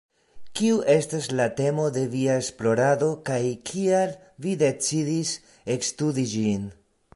Kiu estas la temo de via esplorado kaj kial vi decidis ekstudi ĝin?